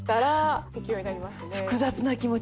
複雑な気持ち。